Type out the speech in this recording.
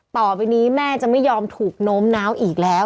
ต่อไปนี้แม่จะไม่ยอมถูกโน้มน้าวอีกแล้ว